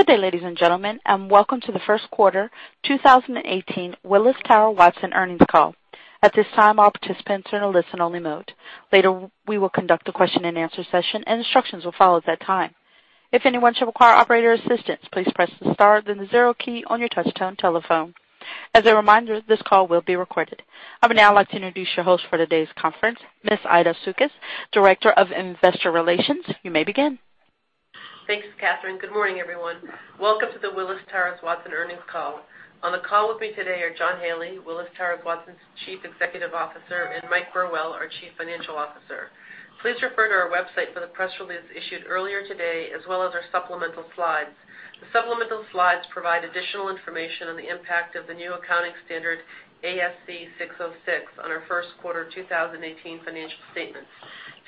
Good day, ladies and gentlemen, and welcome to the first quarter 2018 Willis Towers Watson earnings call. At this time, all participants are in a listen-only mode. Later, we will conduct a question-and-answer session, and instructions will follow at that time. If anyone should require operator assistance, please press the star then the zero key on your touchtone telephone. As a reminder, this call will be recorded. I would now like to introduce your host for today's conference, Ms. Aida Sukys, Director of Investor Relations. You may begin. Thanks, Catherine. Good morning, everyone. Welcome to the Willis Towers Watson earnings call. On the call with me today are John Haley, Willis Towers Watson's Chief Executive Officer, and Mike Burwell, our Chief Financial Officer. Please refer to our website for the press release issued earlier today, as well as our supplemental slides. The supplemental slides provide additional information on the impact of the new accounting standard, ASC 606, on our first quarter 2018 financial statements.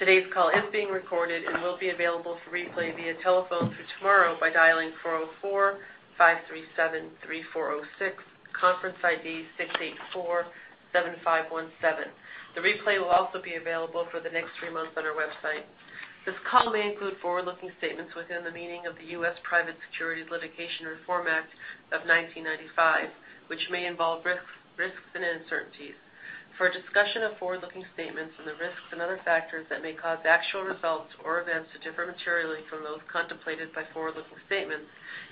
Today's call is being recorded and will be available for replay via telephone through tomorrow by dialing 404-537-3406, conference ID 6847517. The replay will also be available for the next three months on our website. This call may include forward-looking statements within the meaning of the U.S. Private Securities Litigation Reform Act of 1995, which may involve risks and uncertainties. For a discussion of forward-looking statements and the risks and other factors that may cause actual results or events to differ materially from those contemplated by forward-looking statements,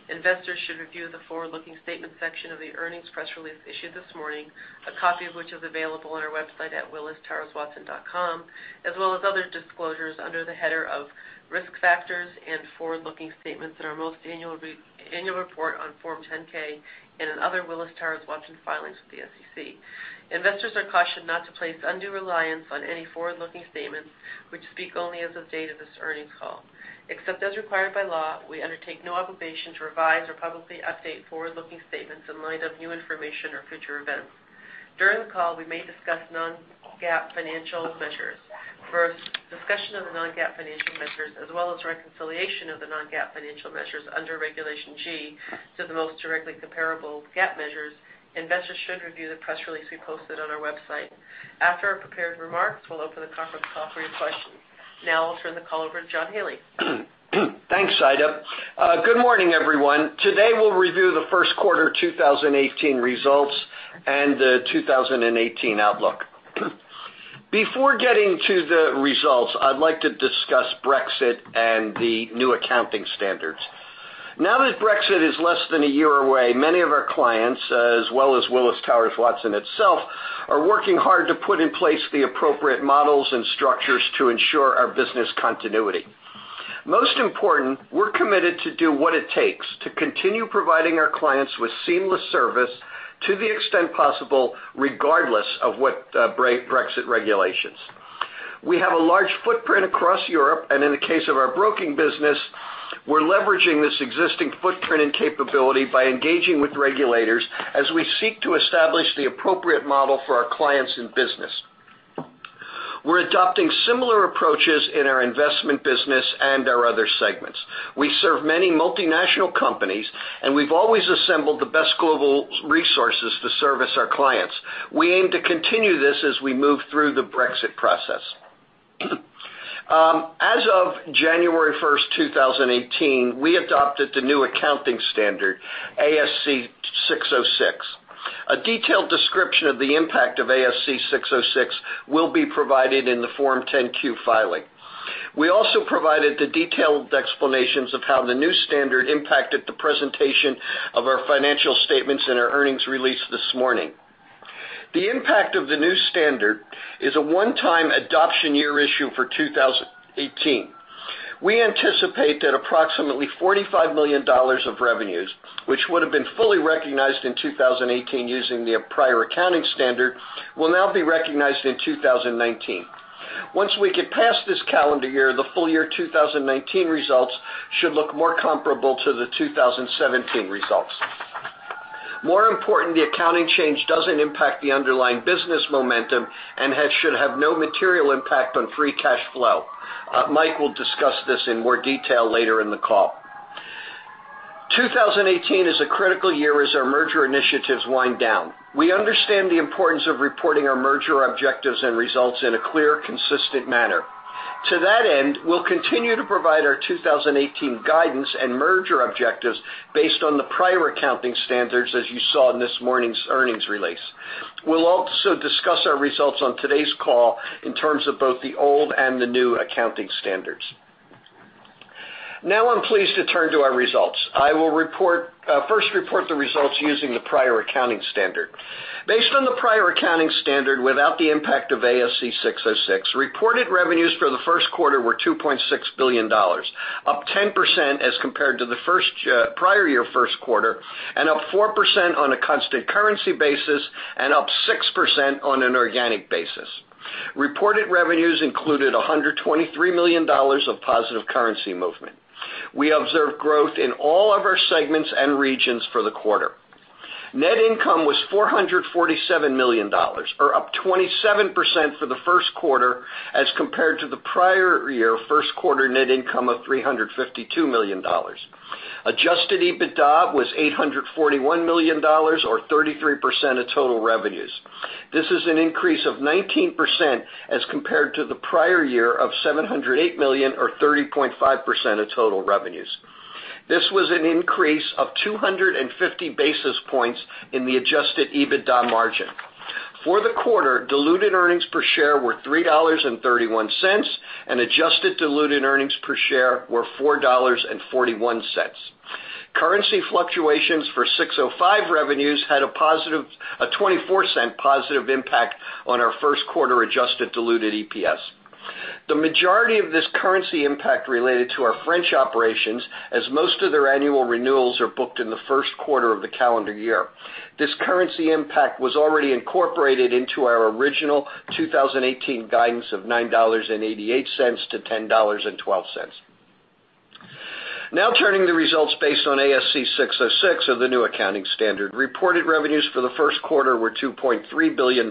investors should review the forward-looking statements section of the earnings press release issued this morning, a copy of which is available on our website at willistowerswatson.com, as well as other disclosures under the header of Risk Factors and Forward-Looking Statements in our most annual report on Form 10-K and in other Willis Towers Watson filings with the SEC. Investors are cautioned not to place undue reliance on any forward-looking statements, which speak only as of the date of this earnings call. Except as required by law, we undertake no obligation to revise or publicly update forward-looking statements in light of new information or future events. During the call, we may discuss non-GAAP financial measures. For a discussion of the non-GAAP financial measures as well as reconciliation of the non-GAAP financial measures under Regulation G to the most directly comparable GAAP measures, investors should review the press release we posted on our website. After our prepared remarks, we'll open the conference call for your questions. Now I'll turn the call over to John Haley. Thanks, Aida. Good morning, everyone. Today, we'll review the first quarter 2018 results and the 2018 outlook. Before getting to the results, I'd like to discuss Brexit and the new accounting standards. Now that Brexit is less than a year away, many of our clients, as well as Willis Towers Watson itself, are working hard to put in place the appropriate models and structures to ensure our business continuity. Most important, we're committed to do what it takes to continue providing our clients with seamless service to the extent possible, regardless of what Brexit regulations. We have a large footprint across Europe, and in the case of our broking business, we're leveraging this existing footprint and capability by engaging with regulators as we seek to establish the appropriate model for our clients and business. We're adopting similar approaches in our investment business and our other segments. We serve many multinational companies, and we've always assembled the best global resources to service our clients. We aim to continue this as we move through the Brexit process. As of January 1st, 2018, we adopted the new accounting standard, ASC 606. A detailed description of the impact of ASC 606 will be provided in the Form 10-Q filing. We also provided the detailed explanations of how the new standard impacted the presentation of our financial statements in our earnings release this morning. The impact of the new standard is a one-time adoption year issue for 2018. We anticipate that approximately $45 million of revenues, which would have been fully recognized in 2018 using the prior accounting standard, will now be recognized in 2019. Once we get past this calendar year, the full-year 2019 results should look more comparable to the 2017 results. More important, the accounting change doesn't impact the underlying business momentum and should have no material impact on free cash flow. Mike will discuss this in more detail later in the call. 2018 is a critical year as our merger initiatives wind down. We understand the importance of reporting our merger objectives and results in a clear, consistent manner. To that end, we'll continue to provide our 2018 guidance and merger objectives based on the prior accounting standards as you saw in this morning's earnings release. We'll also discuss our results on today's call in terms of both the old and the new accounting standards. I'm pleased to turn to our results. I will first report the results using the prior accounting standard. Based on the prior accounting standard, without the impact of ASC 606, reported revenues for the first quarter were $2.6 billion, up 10% as compared to the prior year first quarter, and up 4% on a constant currency basis and up 6% on an organic basis. Reported revenues included $123 million of positive currency movement. We observed growth in all of our segments and regions for the quarter. Net income was $447 million, or up 27% for the first quarter as compared to the prior year first quarter net income of $352 million. Adjusted EBITDA was $841 million, or 33% of total revenues. This is an increase of 19% as compared to the prior year of $708 million, or 30.5% of total revenues. This was an increase of 250 basis points in the adjusted EBITDA margin. For the quarter, diluted earnings per share were $3.31, and adjusted diluted earnings per share were $4.41. Currency fluctuations for ASC 605 revenues had a $0.24 positive impact on our first quarter adjusted diluted EPS. The majority of this currency impact related to our French operations, as most of their annual renewals are booked in the first quarter of the calendar year. This currency impact was already incorporated into our original 2018 guidance of $9.88 to $10.12. Turning the results based on ASC 606, the new accounting standard. Reported revenues for the first quarter were $2.3 billion.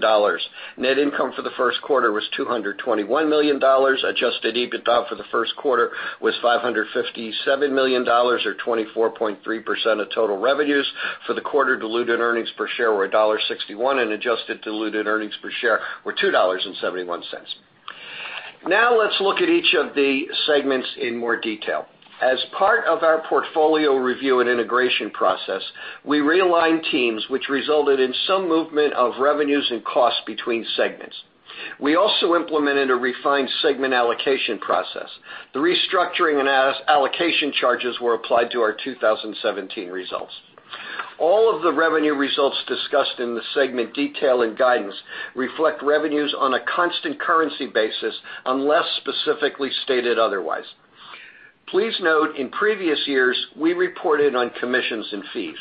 Net income for the first quarter was $221 million. Adjusted EBITDA for the first quarter was $557 million or 24.3% of total revenues. For the quarter, diluted earnings per share were $1.61 and adjusted diluted earnings per share were $2.71. Let's look at each of the segments in more detail. As part of our portfolio review and integration process, we realigned teams, which resulted in some movement of revenues and costs between segments. We also implemented a refined segment allocation process. The restructuring and allocation charges were applied to our 2017 results. All of the revenue results discussed in the segment detail and guidance reflect revenues on a constant currency basis unless specifically stated otherwise. Please note in previous years, we reported on commissions and fees.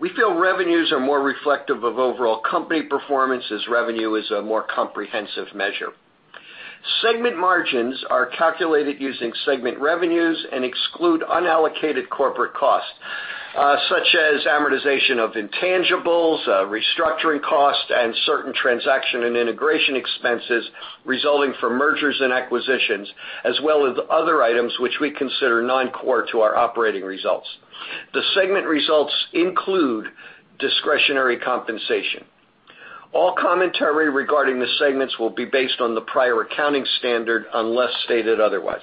We feel revenues are more reflective of overall company performance, as revenue is a more comprehensive measure. Segment margins are calculated using segment revenues and exclude unallocated corporate costs, such as amortization of intangibles, restructuring costs, and certain transaction and integration expenses resulting from mergers and acquisitions, as well as other items which we consider non-core to our operating results. The segment results include discretionary compensation. All commentary regarding the segments will be based on the prior accounting standard unless stated otherwise.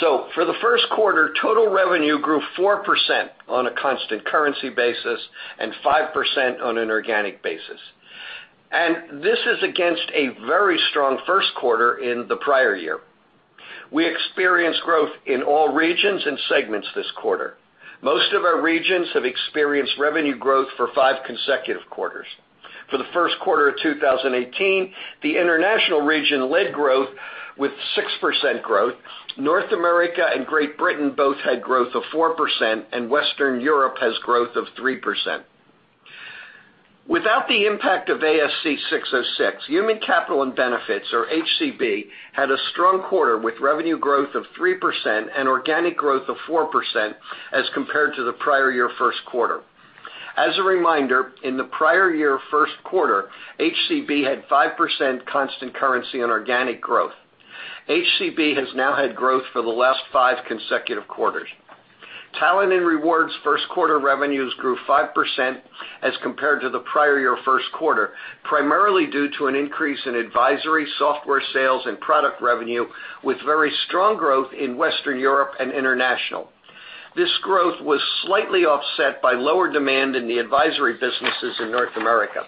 For the first quarter, total revenue grew 4% on a constant currency basis and 5% on an organic basis. This is against a very strong first quarter in the prior year. We experienced growth in all regions and segments this quarter. Most of our regions have experienced revenue growth for five consecutive quarters. For the first quarter of 2018, the international region led growth with 6% growth. North America and Great Britain both had growth of 4%, and Western Europe has growth of 3%. Without the impact of ASC 606, Human Capital and Benefits or HCB had a strong quarter with revenue growth of 3% and organic growth of 4% as compared to the prior year first quarter. As a reminder, in the prior year first quarter, HCB had 5% constant currency and organic growth. HCB has now had growth for the last five consecutive quarters. Talent & Reward first quarter revenues grew 5% as compared to the prior year first quarter, primarily due to an increase in advisory software sales and product revenue, with very strong growth in Western Europe and International. This growth was slightly offset by lower demand in the advisory businesses in North America.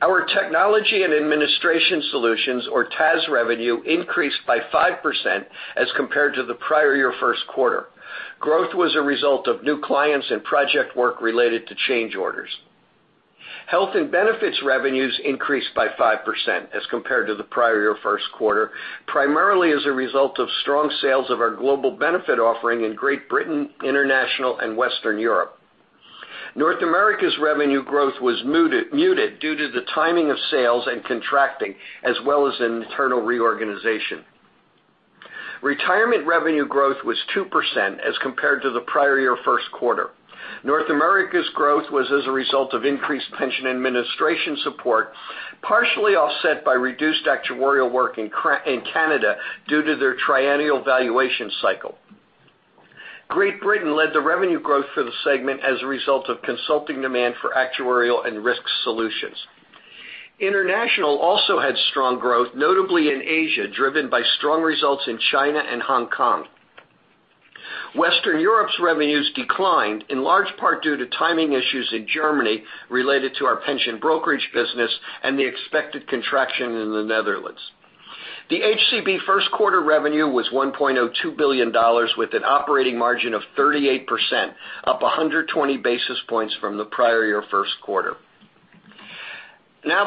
Our Technology and Administration Solutions or TAS revenue increased by 5% as compared to the prior year first quarter. Growth was a result of new clients and project work related to change orders. Health and benefits revenues increased by 5% as compared to the prior year first quarter, primarily as a result of strong sales of our global benefit offering in Great Britain, International, and Western Europe. North America's revenue growth was muted due to the timing of sales and contracting, as well as an internal reorganization. Retirement revenue growth was 2% as compared to the prior year first quarter. North America's growth was as a result of increased pension administration support, partially offset by reduced actuarial work in Canada due to their triennial valuation cycle. Great Britain led the revenue growth for the segment as a result of consulting demand for actuarial and risk solutions. International also had strong growth, notably in Asia, driven by strong results in China and Hong Kong. Western Europe's revenues declined in large part due to timing issues in Germany related to our pension brokerage business and the expected contraction in the Netherlands. The HCB first quarter revenue was $1.02 billion, with an operating margin of 38%, up 120 basis points from the prior year first quarter.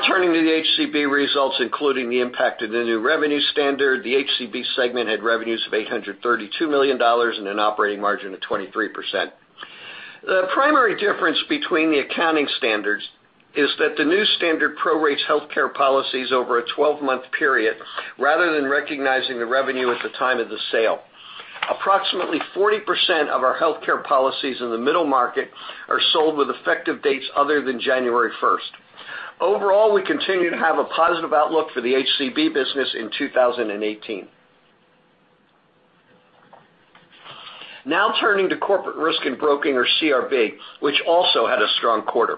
Turning to the HCB results, including the impact of the new revenue standard. The HCB segment had revenues of $832 million and an operating margin of 23%. The primary difference between the accounting standards is that the new standard prorates healthcare policies over a 12-month period, rather than recognizing the revenue at the time of the sale. Approximately 40% of our healthcare policies in the middle market are sold with effective dates other than January 1st. Overall, we continue to have a positive outlook for the HCB business in 2018. Turning to Corporate Risk and Broking, or CRB, which also had a strong quarter.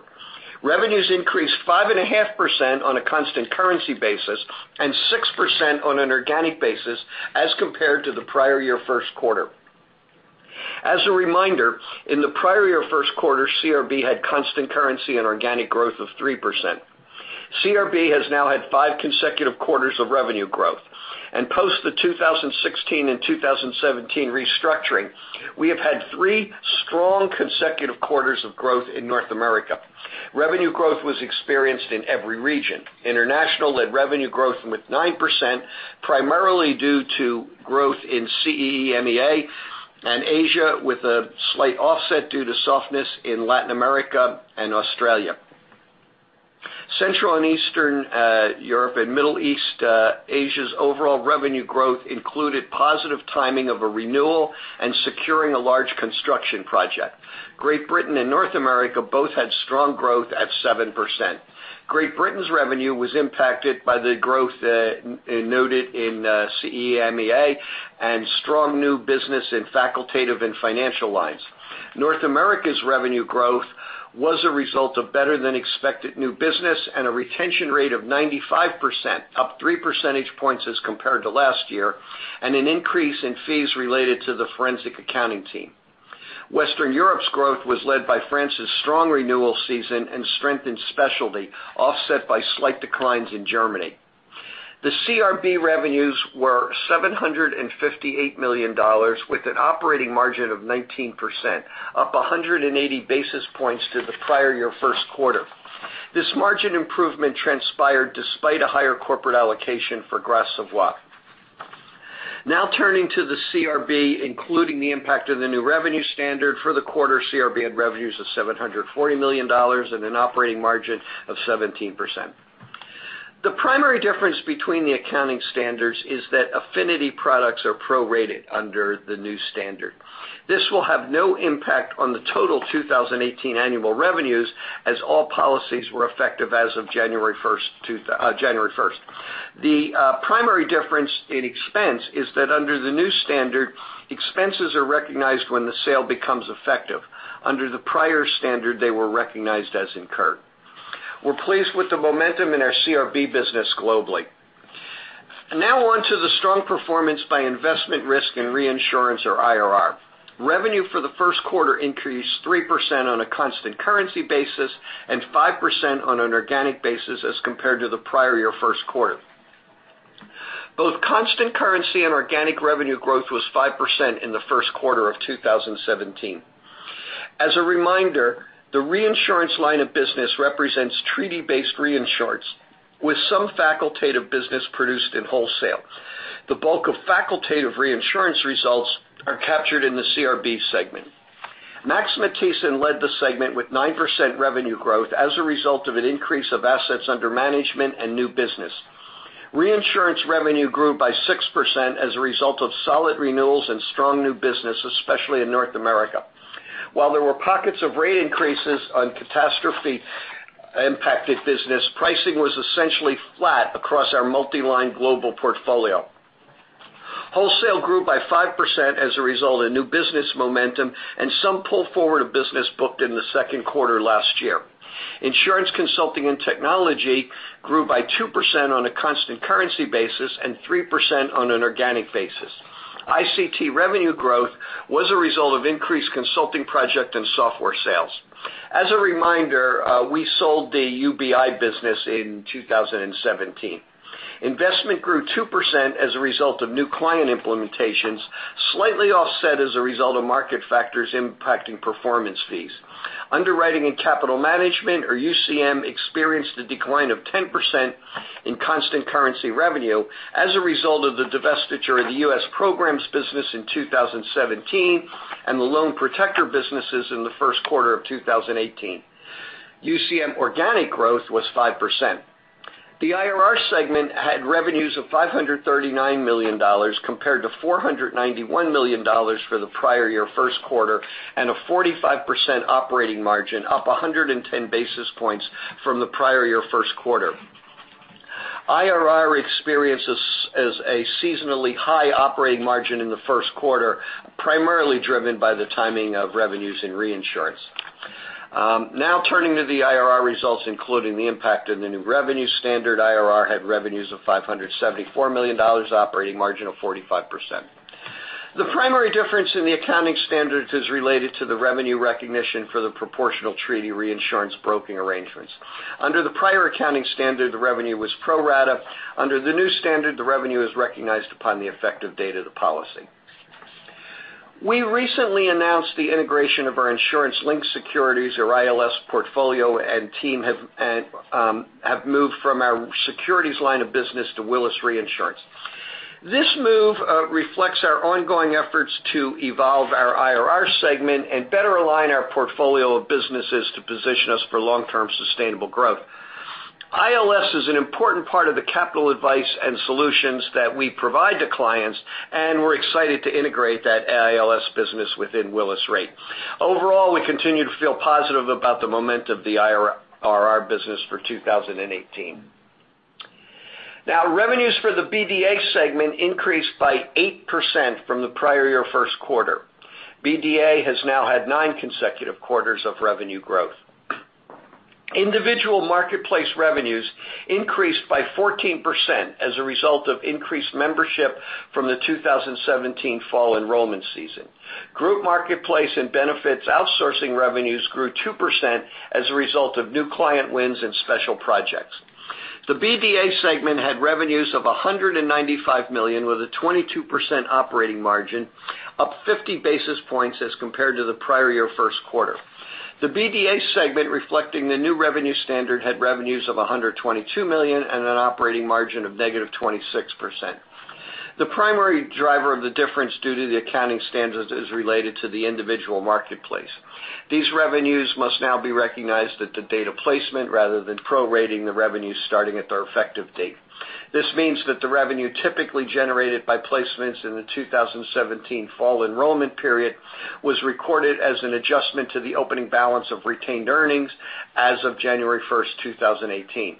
Revenues increased 5.5% on a constant currency basis and 6% on an organic basis as compared to the prior year first quarter. As a reminder, in the prior year first quarter, CRB had constant currency and organic growth of 3%. CRB has now had five consecutive quarters of revenue growth. Post the 2016 and 2017 restructuring, we have had three strong consecutive quarters of growth in North America. Revenue growth was experienced in every region. International led revenue growth with 9%, primarily due to growth in CEEMEA and Asia, with a slight offset due to softness in Latin America and Australia. Central and Eastern Europe, Middle East, and Africa's overall revenue growth included positive timing of a renewal and securing a large construction project. Great Britain and North America both had strong growth at 7%. Great Britain's revenue was impacted by the growth noted in CEEMEA and strong new business in facultative and financial lines. North America's revenue growth was a result of better than expected new business and a retention rate of 95%, up three percentage points as compared to last year, and an increase in fees related to the forensic accounting team. Western Europe's growth was led by France's strong renewal season and strengthened specialty, offset by slight declines in Germany. The CRB revenues were $758 million, with an operating margin of 19%, up 180 basis points to the prior year first quarter. This margin improvement transpired despite a higher corporate allocation for Gras Savoye. Turning to the CRB, including the impact of the new revenue standard for the quarter, CRB had revenues of $740 million and an operating margin of 17%. The primary difference between the accounting standards is that affinity products are prorated under the new standard. This will have no impact on the total 2018 annual revenues, as all policies were effective as of January 1st. The primary difference in expense is that under the new standard, expenses are recognized when the sale becomes effective. Under the prior standard, they were recognized as incurred. We're pleased with the momentum in our CRB business globally. Now on to the strong performance by Investment, Risk and Reinsurance, or IRR. Revenue for the first quarter increased 3% on a constant currency basis and 5% on an organic basis as compared to the prior year first quarter. Both constant currency and organic revenue growth was 5% in the first quarter of 2017. As a reminder, the reinsurance line of business represents treaty-based reinsurance with some facultative business produced in wholesale. The bulk of facultative reinsurance results are captured in the CRB segment. Max Matthiessen led the segment with 9% revenue growth as a result of an increase of assets under management and new business. Reinsurance revenue grew by 6% as a result of solid renewals and strong new business, especially in North America. While there were pockets of rate increases on catastrophe-impacted business, pricing was essentially flat across our multi-line global portfolio. Wholesale grew by 5% as a result of new business momentum and some pull forward of business booked in the second quarter last year. Insurance Consulting and Technology grew by 2% on a constant currency basis and 3% on an organic basis. ICT revenue growth was a result of increased consulting project and software sales. As a reminder, we sold the UBI business in 2017. Investment grew 2% as a result of new client implementations, slightly offset as a result of market factors impacting performance fees. Underwriting and Capital Management, or UCM, experienced a decline of 10% in constant currency revenue as a result of the divestiture of the U.S. programs business in 2017 and the Loan Protector businesses in the first quarter of 2018. UCM organic growth was 5%. The IRR segment had revenues of $539 million compared to $491 million for the prior year first quarter, and a 45% operating margin, up 110 basis points from the prior year first quarter. IRR experiences a seasonally high operating margin in the first quarter, primarily driven by the timing of revenues in reinsurance. Now turning to the IRR results, including the impact of the new revenue standard. IRR had revenues of $574 million, operating margin of 45%. The primary difference in the accounting standards is related to the revenue recognition for the proportional treaty reinsurance broking arrangements. Under the prior accounting standard, the revenue was pro rata. Under the new standard, the revenue is recognized upon the effective date of the policy. We recently announced the integration of our Insurance-Linked Securities, or ILS, portfolio and team have moved from our securities line of business to Willis Re. This move reflects our ongoing efforts to evolve our IRR segment and better align our portfolio of businesses to position us for long-term sustainable growth. ILS is an important part of the capital advice and solutions that we provide to clients, and we're excited to integrate that ILS business within Willis Re. Overall, we continue to feel positive about the momentum of the IRR business for 2018. Now revenues for the BDA segment increased by 8% from the prior year first quarter. BDA has now had nine consecutive quarters of revenue growth. Individual marketplace revenues increased by 14% as a result of increased membership from the 2017 fall enrollment season. Group marketplace and benefits outsourcing revenues grew 2% as a result of new client wins and special projects. The BDA segment had revenues of $195 million, with a 22% operating margin, up 50 basis points as compared to the prior year first quarter. The BDA segment, reflecting the new revenue standard, had revenues of $122 million and an operating margin of negative 26%. The primary driver of the difference due to the accounting standards is related to the individual marketplace. These revenues must now be recognized at the date of placement rather than prorating the revenues starting at their effective date. This means that the revenue typically generated by placements in the 2017 fall enrollment period was recorded as an adjustment to the opening balance of retained earnings as of January 1, 2018.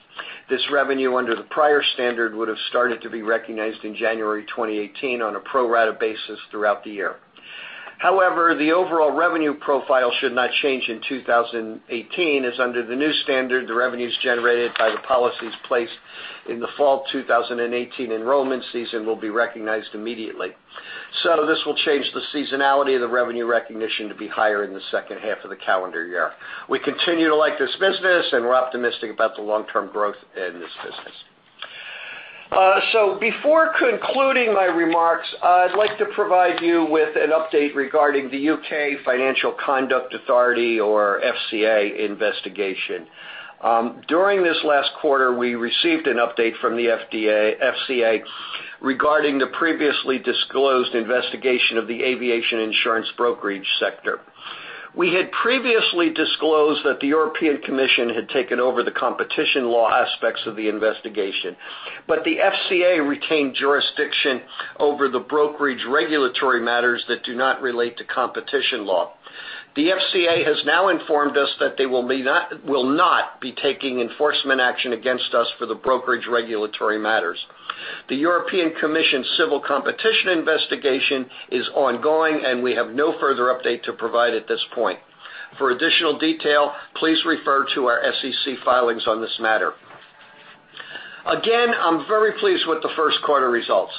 This revenue under the prior standard would have started to be recognized in January 2018 on a pro rata basis throughout the year. However, the overall revenue profile should not change in 2018, as under the new standard, the revenues generated by the policies placed in the fall 2018 enrollment season will be recognized immediately. This will change the seasonality of the revenue recognition to be higher in the second half of the calendar year. We continue to like this business, and we're optimistic about the long-term growth in this business. Before concluding my remarks, I'd like to provide you with an update regarding the U.K. Financial Conduct Authority, or FCA, investigation. During this last quarter, we received an update from the FCA regarding the previously disclosed investigation of the aviation insurance brokerage sector. We had previously disclosed that the European Commission had taken over the competition law aspects of the investigation, but the FCA retained jurisdiction over the brokerage regulatory matters that do not relate to competition law. The FCA has now informed us that they will not be taking enforcement action against us for the brokerage regulatory matters. The European Commission's civil competition investigation is ongoing, and we have no further update to provide at this point. For additional detail, please refer to our SEC filings on this matter. Again, I'm very pleased with the first quarter results.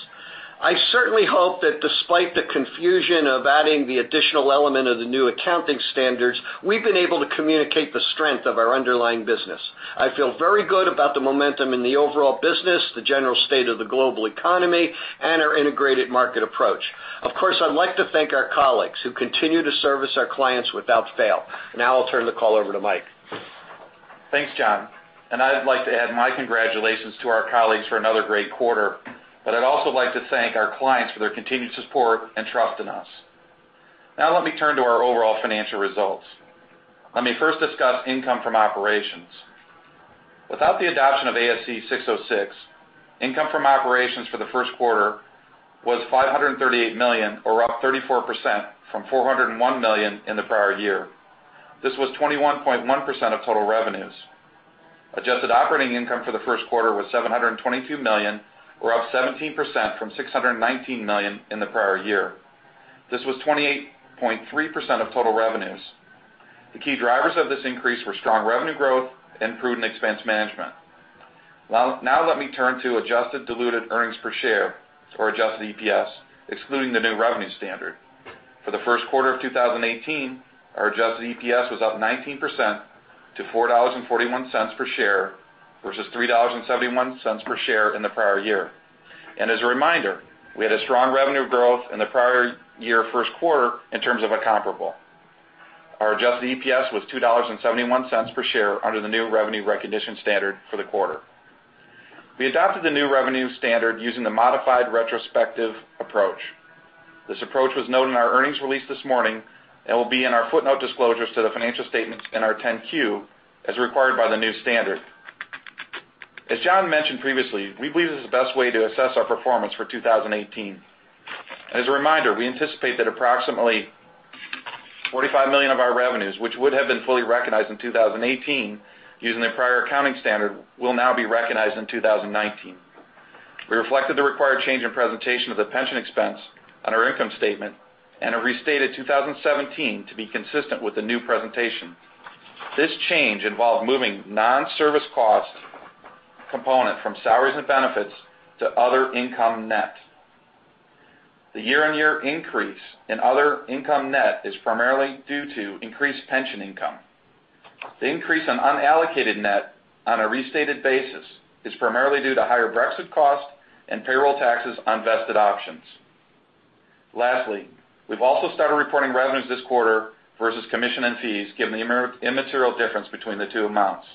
I certainly hope that despite the confusion of adding the additional element of the new accounting standards, we've been able to communicate the strength of our underlying business. I feel very good about the momentum in the overall business, the general state of the global economy, and our integrated market approach. Of course, I'd like to thank our colleagues who continue to service our clients without fail. Now I'll turn the call over to Mike. Thanks, John. I'd like to add my congratulations to our colleagues for another great quarter. I'd also like to thank our clients for their continued support and trust in us. Now let me turn to our overall financial results. Let me first discuss income from operations. Without the adoption of ASC 606, income from operations for the first quarter was $538 million, or up 34% from $401 million in the prior year. This was 21.1% of total revenues. Adjusted operating income for the first quarter was $722 million, or up 17% from $619 million in the prior year. This was 28.3% of total revenues. The key drivers of this increase were strong revenue growth and prudent expense management. Now let me turn to adjusted diluted earnings per share, or adjusted EPS, excluding the new revenue standard. For the first quarter of 2018, our adjusted EPS was up 19% to $4.41 per share versus $3.71 per share in the prior year. As a reminder, we had a strong revenue growth in the prior year first quarter in terms of a comparable. Our adjusted EPS was $2.71 per share under the new revenue recognition standard for the quarter. We adopted the new revenue standard using the modified retrospective approach. This approach was noted in our earnings release this morning and will be in our footnote disclosures to the financial statements in our 10-Q, as required by the new standard. As John mentioned previously, we believe this is the best way to assess our performance for 2018. As a reminder, we anticipate that approximately $45 million of our revenues, which would have been fully recognized in 2018 using the prior accounting standard, will now be recognized in 2019. We reflected the required change in presentation of the pension expense on our income statement and have restated 2017 to be consistent with the new presentation. This change involved moving non-service cost component from salaries and benefits to other income net. The year-on-year increase in other income net is primarily due to increased pension income. The increase in unallocated net on a restated basis is primarily due to higher Brexit costs and payroll taxes on vested options. Lastly, we've also started reporting revenues this quarter versus commission and fees, given the immaterial difference between the two amounts.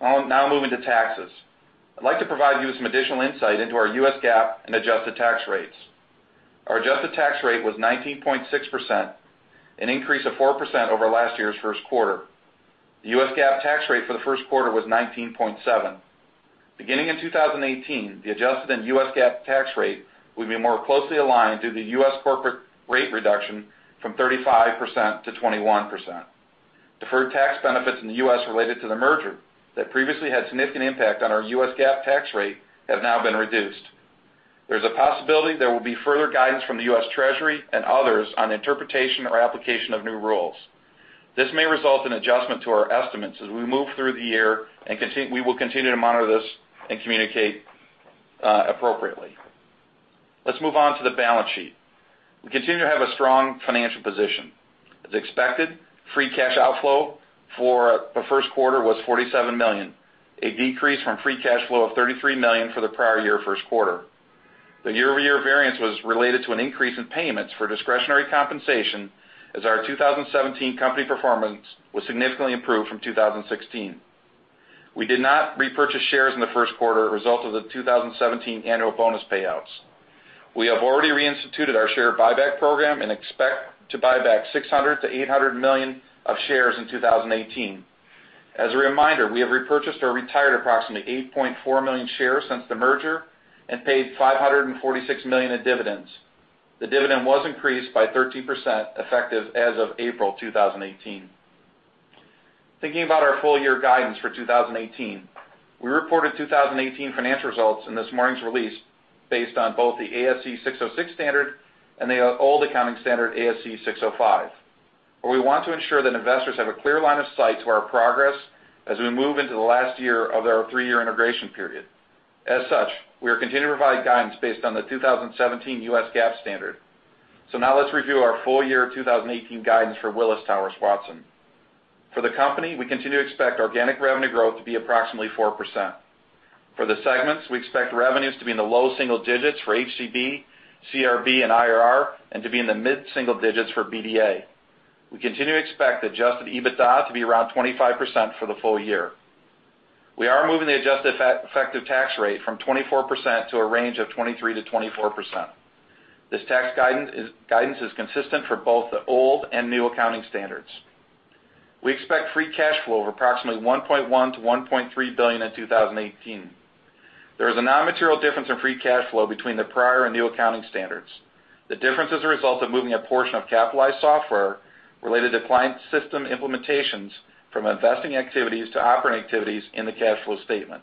I'll now move into taxes. I'd like to provide you with some additional insight into our U.S. GAAP and adjusted tax rates. Our adjusted tax rate was 19.6%, an increase of 4% over last year's first quarter. The U.S. GAAP tax rate for the first quarter was 19.7%. Beginning in 2018, the adjusted and U.S. GAAP tax rate will be more closely aligned due to the U.S. corporate rate reduction from 35% to 21%. Deferred tax benefits in the U.S. related to the merger that previously had significant impact on our U.S. GAAP tax rate have now been reduced. There's a possibility there will be further guidance from the U.S. Treasury and others on interpretation or application of new rules. This may result in adjustment to our estimates as we move through the year, and we will continue to monitor this and communicate appropriately. Let's move on to the balance sheet. We continue to have a strong financial position. As expected, free cash outflow for the first quarter was $47 million, a decrease from free cash flow of $33 million for the prior year first quarter. The year-over-year variance was related to an increase in payments for discretionary compensation, as our 2017 company performance was significantly improved from 2016. We did not repurchase shares in the first quarter as a result of the 2017 annual bonus payouts. We have already reinstituted our share buyback program and expect to buy back $600 million-$800 million of shares in 2018. As a reminder, we have repurchased or retired approximately 8.4 million shares since the merger and paid $546 million in dividends. The dividend was increased by 13%, effective as of April 2018. Thinking about our full-year guidance for 2018, we reported 2018 financial results in this morning's release based on both the ASC 606 standard and the old accounting standard, ASC 605. We want to ensure that investors have a clear line of sight to our progress as we move into the last year of our three-year integration period. As such, we are continuing to provide guidance based on the 2017 U.S. GAAP standard. Now let's review our full-year 2018 guidance for Willis Towers Watson. For the company, we continue to expect organic revenue growth to be approximately 4%. For the segments, we expect revenues to be in the low single digits for HCB, CRB, and IRR, and to be in the mid-single digits for BDA. We continue to expect adjusted EBITDA to be around 25% for the full year. We are moving the adjusted effective tax rate from 24% to a range of 23%-24%. This tax guidance is consistent for both the old and new accounting standards. We expect free cash flow of approximately $1.1 billion-$1.3 billion in 2018. There is a non-material difference in free cash flow between the prior and new accounting standards. The difference is a result of moving a portion of capitalized software related to client system implementations from investing activities to operating activities in the cash flow statement.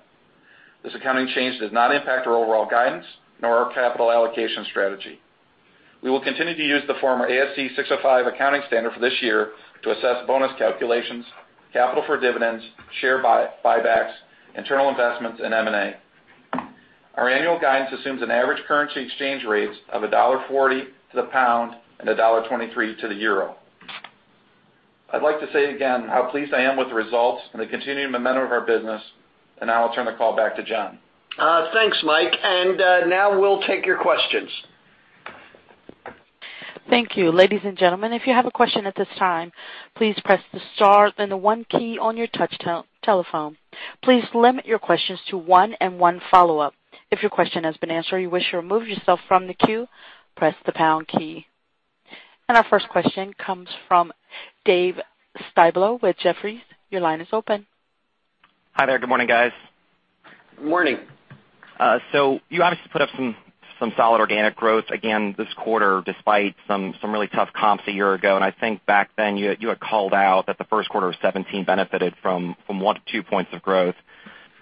This accounting change does not impact our overall guidance nor our capital allocation strategy. We will continue to use the former ASC 605 accounting standard for this year to assess bonus calculations, capital for dividends, share buybacks, internal investments, and M&A. Our annual guidance assumes an average currency exchange rates of GBP 1.40 to the pound and EUR 1.23 to the euro. I'd like to say again how pleased I am with the results and the continuing momentum of our business. Now I'll turn the call back to John. Thanks, Mike. Now we'll take your questions. Thank you. Ladies and gentlemen, if you have a question at this time, please press the star, then the one key on your touch telephone. Please limit your questions to one and one follow-up. If your question has been answered or you wish to remove yourself from the queue, press the pound key. Our first question comes from David Styblo with Jefferies. Your line is open. Hi there. Good morning, guys. Good morning. You obviously put up some solid organic growth again this quarter despite some really tough comps a year ago, I think back then you had called out that the first quarter of 2017 benefited from one to two points of growth.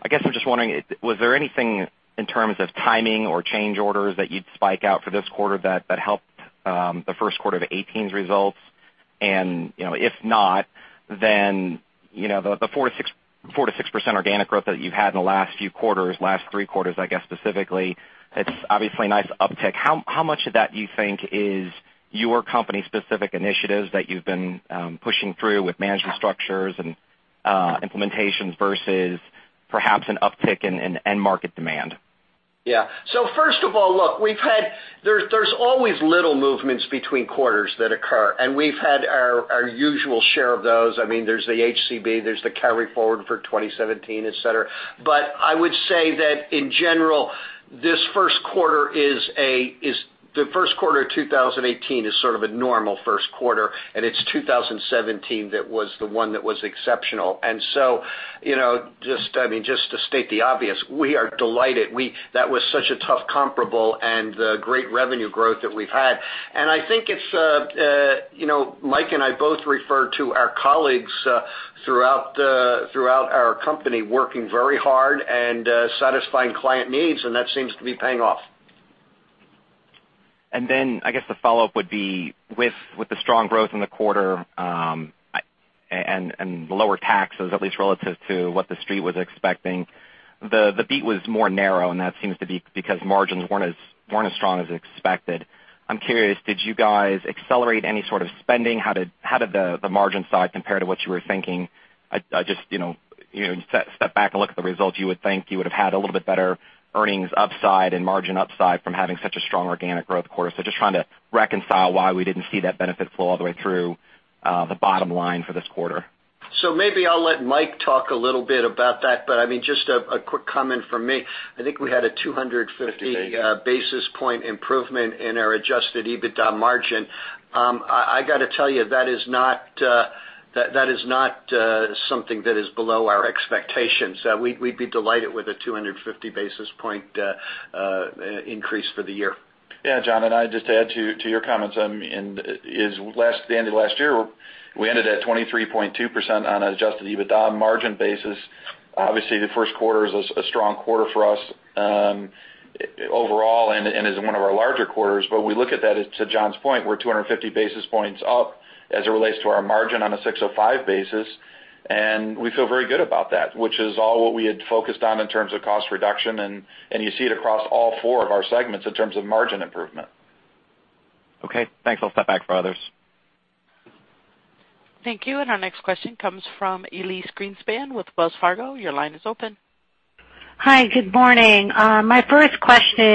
I guess I'm just wondering, was there anything in terms of timing or change orders that you'd spike out for this quarter that helped the first quarter of 2018's results? If not, the 4%-6% organic growth that you've had in the last few quarters, last three quarters, I guess specifically, it's obviously a nice uptick. How much of that you think is your company-specific initiatives that you've been pushing through with management structures and implementations versus perhaps an uptick in end market demand? First of all, look, there's always little movements between quarters that occur, and we've had our usual share of those. There's the HCB, there's the carry-forward for 2017, et cetera. I would say that in general, the first quarter of 2018 is sort of a normal first quarter, and it's 2017 that was the one that was exceptional. Just to state the obvious, we are delighted. That was such a tough comparable and great revenue growth that we've had. I think Mike and I both refer to our colleagues throughout our company working very hard and satisfying client needs, and that seems to be paying off. I guess the follow-up would be with the strong growth in the quarter and the lower taxes, at least relative to what the Street was expecting, the beat was more narrow, and that seems to be because margins weren't as strong as expected. I'm curious, did you guys accelerate any sort of spending? How did the margin side compare to what you were thinking? When you step back and look at the results, you would think you would have had a little bit better earnings upside and margin upside from having such a strong organic growth quarter. Just trying to reconcile why we didn't see that benefit flow all the way through the bottom line for this quarter. Maybe I'll let Mike talk a little bit about that, but just a quick comment from me. I think we had a 250 basis point improvement in our adjusted EBITDA margin. I got to tell you, that is not something that is below our expectations. We'd be delighted with a 250-basis point increase for the year. Yeah, John, I just add to your comments. At the end of last year, we ended at 23.2% on an adjusted EBITDA margin basis. Obviously, the first quarter is a strong quarter for us overall and is one of our larger quarters. We look at that, to John's point, we're 250 basis points up as it relates to our margin on a 605 basis, and we feel very good about that, which is all what we had focused on in terms of cost reduction. You see it across all four of our segments in terms of margin improvement. Okay, thanks. I'll step back for others. Thank you. Our next question comes from Elyse Greenspan with Wells Fargo. Your line is open. Hi. Good morning. My first question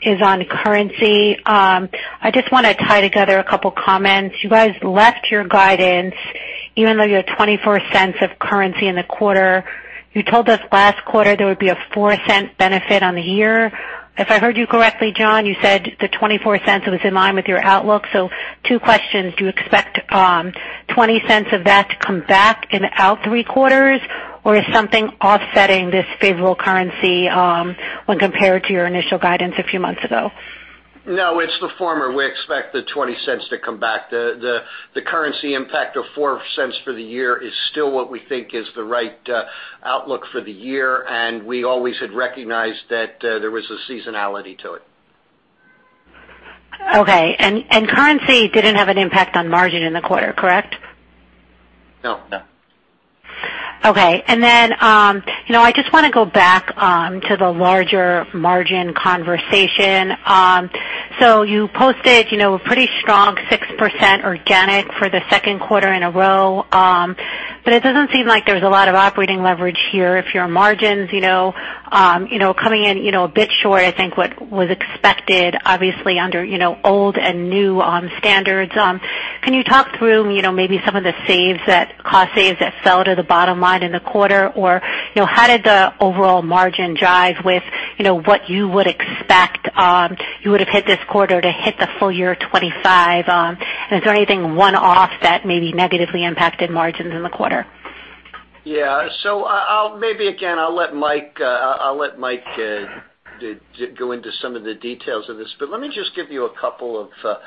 is on currency. I just want to tie together a couple comments. You guys left your guidance even though you had $0.24 of currency in the quarter. You told us last quarter there would be a $0.04 benefit on the year. If I heard you correctly, John, you said the $0.24 was in line with your outlook. Two questions. Do you expect $0.20 of that to come back in out three quarters? Or is something offsetting this favorable currency when compared to your initial guidance a few months ago? No, it's the former. We expect the $0.20 to come back. The currency impact of $0.04 for the year is still what we think is the right outlook for the year, and we always had recognized that there was a seasonality to it. Okay. Currency didn't have an impact on margin in the quarter, correct? No. Okay. I just want to go back to the larger margin conversation. You posted a pretty strong 6% organic for the second quarter in a row. It doesn't seem like there's a lot of operating leverage here if your margins coming in a bit short, I think what was expected, obviously, under old and new standards. Can you talk through maybe some of the cost saves that fell to the bottom line in the quarter? How did the overall margin jive with what you would expect you would have hit this quarter to hit the full year 25%? Is there anything one-off that maybe negatively impacted margins in the quarter? Maybe, again, I'll let Mike go into some of the details of this, but let me just give you a couple of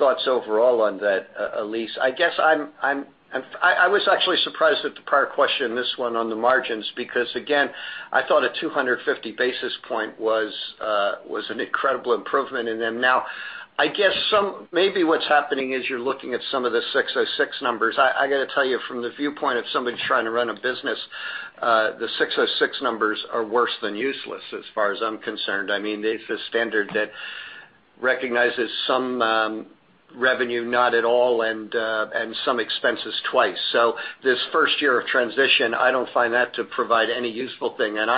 thoughts overall on that, Elyse. I was actually surprised at the prior question, this one on the margins, because again, I thought a 250 basis point was an incredible improvement in them. I guess maybe what's happening is you're looking at some of the ASC 606 numbers. I got to tell you, from the viewpoint of somebody trying to run a business, the ASC 606 numbers are worse than useless as far as I'm concerned. It's a standard that recognizes some revenue not at all and some expenses twice. This first year of transition, I don't find that to provide any useful thing. When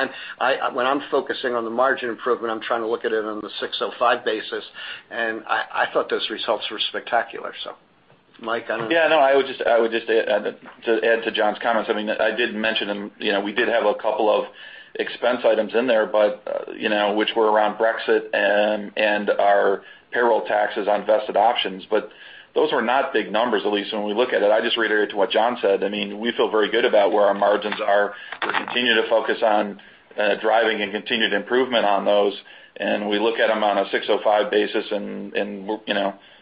I'm focusing on the margin improvement, I'm trying to look at it on the ASC 605 basis, and I thought those results were spectacular. Mike, I don't know. Yeah, no, I would just add to John's comments. I did mention we did have a couple of expense items in there which were around Brexit and our payroll taxes on vested options. Those were not big numbers, Elyse, when we look at it. I just reiterate to what John said. We feel very good about where our margins are. We continue to focus on driving and continued improvement on those, and we look at them on a 605 basis, and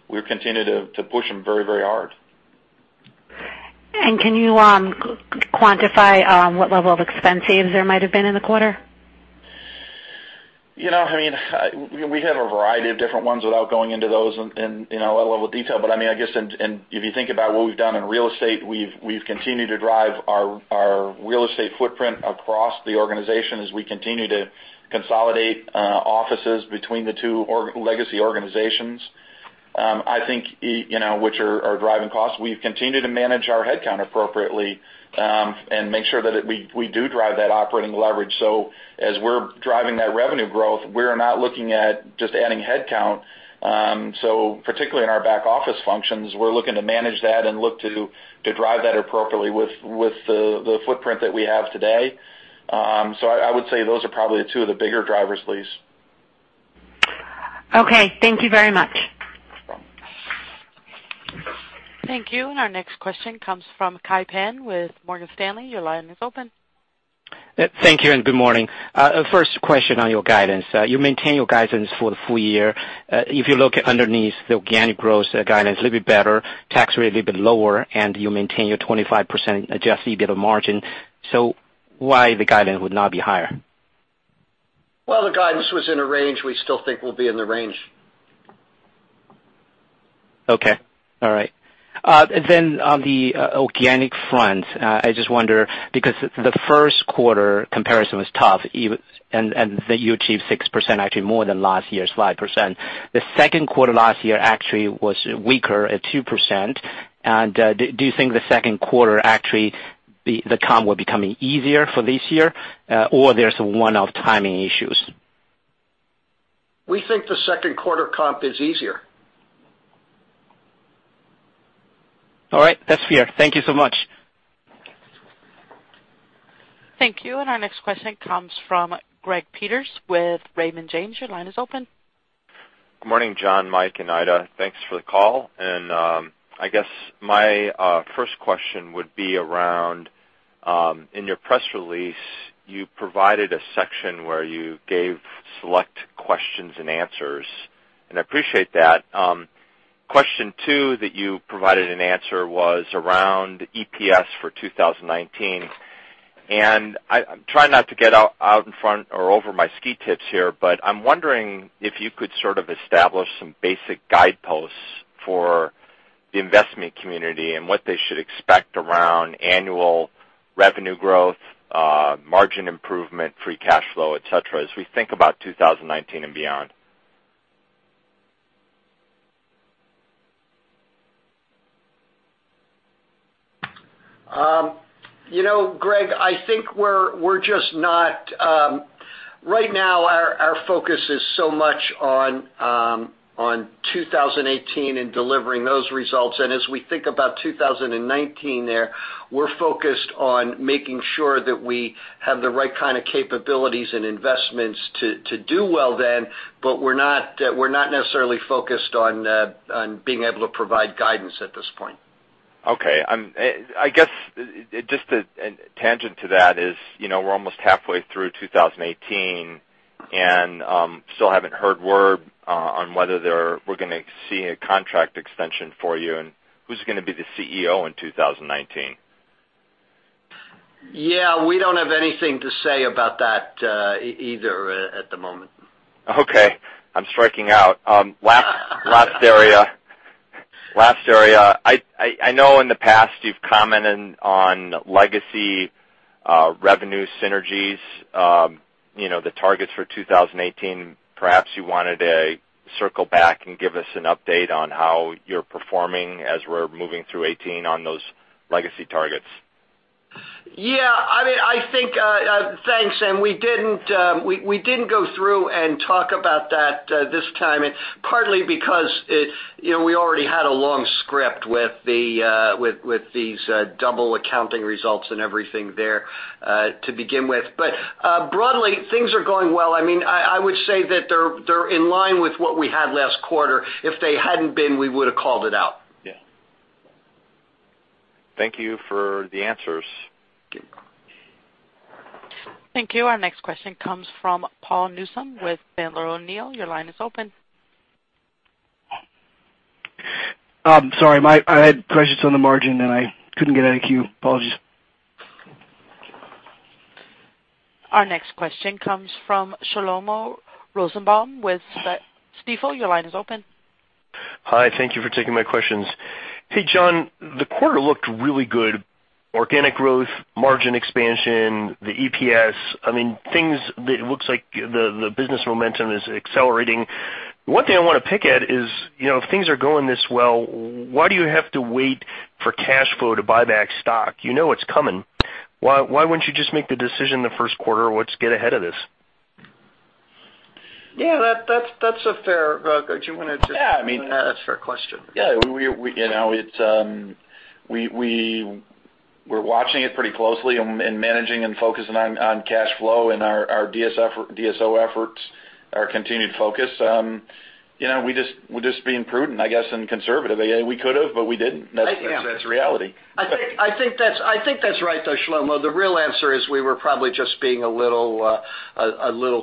we continue to push them very hard. Can you quantify what level of expense saves there might have been in the quarter? We have a variety of different ones without going into those in a lot of detail. I guess if you think about what we've done in real estate, we've continued to drive our real estate footprint across the organization as we continue to consolidate offices between the two legacy organizations which are driving costs. We've continued to manage our headcount appropriately and make sure that we do drive that operating leverage. As we're driving that revenue growth, we're not looking at just adding headcount. Particularly in our back-office functions, we're looking to manage that and look to drive that appropriately with the footprint that we have today. I would say those are probably two of the bigger drivers, Elyse. Okay. Thank you very much. No problem. Thank you. Our next question comes from Kai Pan with Morgan Stanley. Your line is open. Thank you, and good morning. First question on your guidance. You maintain your guidance for the full year. If you look underneath the organic growth guidance a little bit better, tax rate a little bit lower, and you maintain your 25% adjusted EBITDA margin. Why the guidance would not be higher? Well, the guidance was in a range. We still think we'll be in the range. Okay. All right. Then on the organic front, I just wonder because the first quarter comparison was tough, and that you achieved 6%, actually more than last year's 5%. The second quarter last year actually was weaker at 2%. Do you think the second quarter actually the comp will become easier for this year? Or there's one-off timing issues? We think the second quarter comp is easier. All right. That's clear. Thank you so much. Thank you. Our next question comes from Greg Peters with Raymond James. Your line is open. Good morning, John, Mike, and Ida. Thanks for the call. I guess my first question would be around in your press release, you provided a section where you gave select questions and answers, and I appreciate that. Question 2 that you provided an answer was around EPS for 2019. I'm trying not to get out in front or over my ski tips here, but I'm wondering if you could sort of establish some basic guideposts for the investment community and what they should expect around annual revenue growth, margin improvement, free cash flow, et cetera, as we think about 2019 and beyond. Greg, I think right now, our focus is so much on 2018 and delivering those results. As we think about 2019 there, we're focused on making sure that we have the right kind of capabilities and investments to do well then, we're not necessarily focused on being able to provide guidance at this point. Okay. I guess, just a tangent to that is, we're almost halfway through 2018, still haven't heard word on whether we're going to see a contract extension for you, who's going to be the CEO in 2019. Yeah. We don't have anything to say about that either at the moment. Okay. I'm striking out. Last area. I know in the past you've commented on legacy revenue synergies, the targets for 2018. Perhaps you wanted to circle back and give us an update on how you're performing as we're moving through 2018 on those legacy targets. Yeah. Thanks. We didn't go through and talk about that this time, partly because we already had a long script with these double accounting results and everything there to begin with. Broadly, things are going well. I would say that they're in line with what we had last quarter. If they hadn't been, we would've called it out. Yeah. Thank you for the answers. Thank you. Our next question comes from Paul Newsome with Sandler O'Neill. Your line is open. Sorry. I had questions on the margin and I couldn't get out of queue. Apologies. Our next question comes from Shlomo Rosenbaum with Stifel. Your line is open. Hi. Thank you for taking my questions. Hey, John, the quarter looked really good. Organic growth, margin expansion, the EPS, it looks like the business momentum is accelerating. One thing I want to pick at is, if things are going this well, why do you have to wait for cash flow to buy back stock? You know it's coming. Why wouldn't you just make the decision the first quarter, let's get ahead of this? Yeah, that's a fair. Do you want to take. Yeah. That's a fair question. Yeah. We're watching it pretty closely and managing and focusing on cash flow and our DSO efforts, our continued focus. We're just being prudent, I guess, and conservative. We could've, but we didn't. Yeah. That's reality. I think that's right, though, Shlomo. The real answer is we were probably just being a little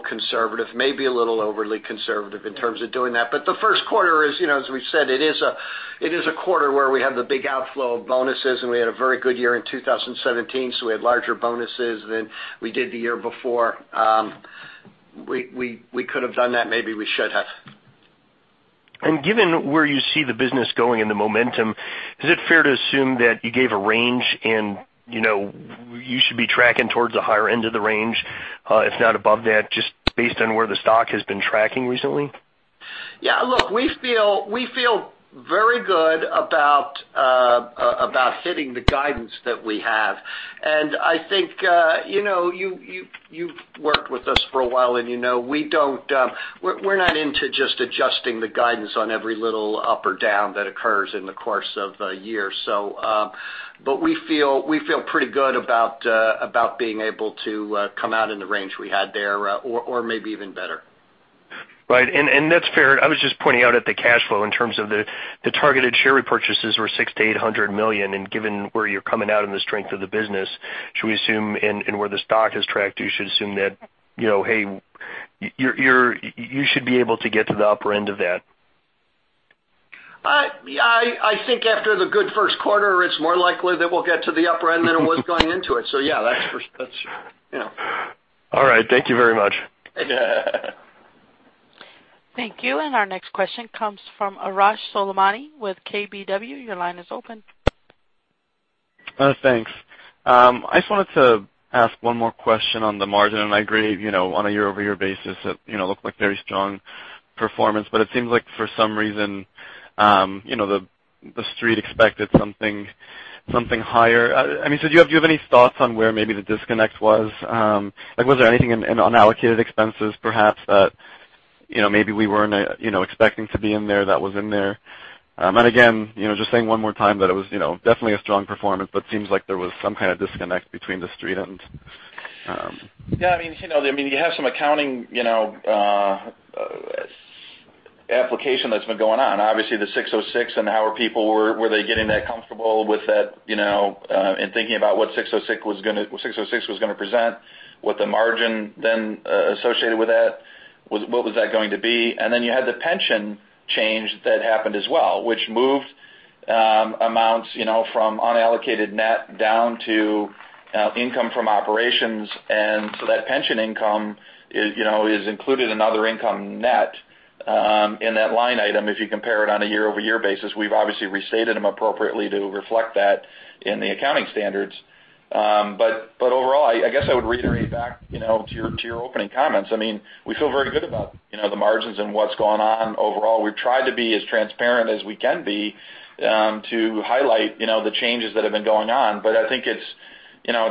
conservative, maybe a little overly conservative in terms of doing that. The first quarter is, as we've said, it is a quarter where we have the big outflow of bonuses, and we had a very good year in 2017, so we had larger bonuses than we did the year before. We could've done that. Maybe we should have. Given where you see the business going and the momentum, is it fair to assume that you gave a range and you should be tracking towards the higher end of the range, if not above that, just based on where the stock has been tracking recently? Yeah. Look, we feel very good about hitting the guidance that we have. I think you've worked with us for a while and you know we're not into just adjusting the guidance on every little up or down that occurs in the course of a year. We feel pretty good about being able to come out in the range we had there or maybe even better. Right. That's fair. I was just pointing out at the cash flow in terms of the targeted share repurchases were $6 million-$800 million, given where you're coming out and the strength of the business, should we assume, and where the stock has tracked, you should assume that you should be able to get to the upper end of that? I think after the good first quarter, it's more likely that we'll get to the upper end than it was going into it. Yeah. That's for sure. All right. Thank you very much. Thank you. Our next question comes from Arash Soleimani with KBW. Your line is open. Thanks. I just wanted to ask one more question on the margin. I agree, on a year-over-year basis, it looked like very strong performance, it seems like for some reason, The Street expected something higher. Do you have any thoughts on where maybe the disconnect was? Was there anything in unallocated expenses, perhaps, that maybe we weren't expecting to be in there that was in there? Again, just saying one more time that it was definitely a strong performance, seems like there was some kind of disconnect between The Street and Yeah. You have some accounting Application that's been going on. Obviously, the 606 and how are people, were they getting that comfortable with that and thinking about what 606 was going to present, what the margin then associated with that, what was that going to be? Then you had the pension change that happened as well, which moved amounts from unallocated net down to income from operations. So that pension income is included in other income net in that line item, if you compare it on a year-over-year basis. We've obviously restated them appropriately to reflect that in the accounting standards. Overall, I guess I would reiterate back to your opening comments. We feel very good about the margins and what's gone on overall. We've tried to be as transparent as we can be to highlight the changes that have been going on. I think it's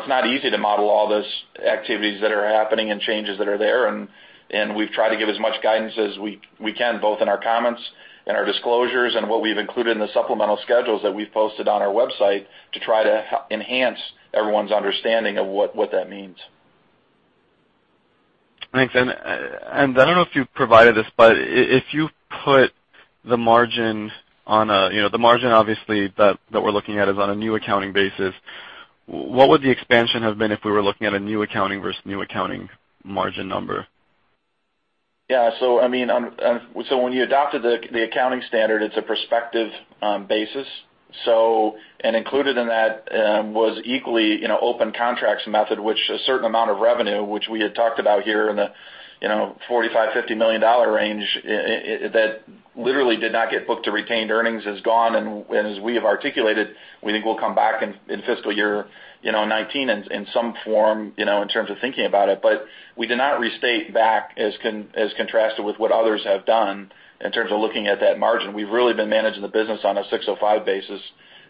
not easy to model all those activities that are happening and changes that are there, and we've tried to give as much guidance as we can, both in our comments and our disclosures and what we've included in the supplemental schedules that we've posted on our website to try to enhance everyone's understanding of what that means. Thanks. I don't know if you provided this, if you put the margin, obviously, that we're looking at is on a new accounting basis, what would the expansion have been if we were looking at a new accounting versus new accounting margin number? Yeah. When you adopted the accounting standard, it's a prospective basis. Included in that was equally open contracts method, which a certain amount of revenue, which we had talked about here in the $45 million, $50 million range, that literally did not get booked to retained earnings, is gone. As we have articulated, we think we'll come back in fiscal year 2019 in some form, in terms of thinking about it. We did not restate back as contrasted with what others have done in terms of looking at that margin. We've really been managing the business on a 605 basis.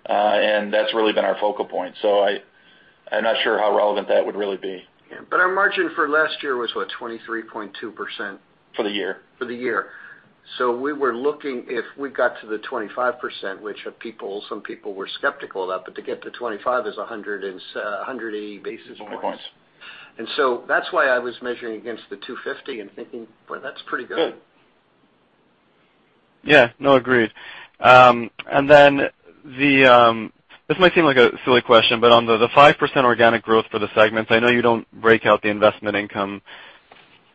That's really been our focal point. I'm not sure how relevant that would really be. Yeah. Our margin for last year was, what? 23.2%. For the year. For the year. We were looking if we got to the 25%, which some people were skeptical of, to get to 25 is 180 basis points. Basis points. That's why I was measuring against the 250 and thinking, "Boy, that's pretty good. Yeah. Yeah. No, agreed. This might seem like a silly question, on the 5% organic growth for the segments, I know you don't break out the investment income